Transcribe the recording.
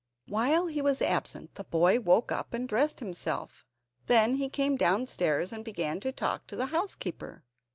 While he was absent the boy woke up and dressed himself. Then he came downstairs and began to talk to the housekeeper.